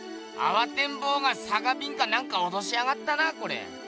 あわてんぼうがさかびんかなんかおとしやがったなこれ！